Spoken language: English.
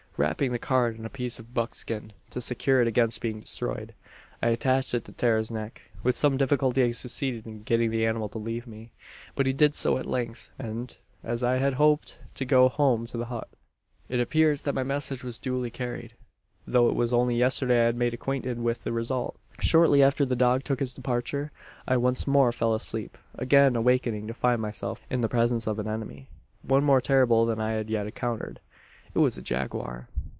"Wrapping the card in a piece of buckskin, to secure it against being destroyed, I attached it to Tara's neck. "With some difficulty I succeeded in getting the animal to leave me. But he did so at length; and, as I had hoped, to go home to the hut. "It appears that my message was duly carried; though it was only yesterday I was made acquainted with the result. "Shortly after the dog took his departure, I once more fell asleep again awaking to find myself in the presence of an enemy one more terrible than I had yet encountered. "It was a jaguar.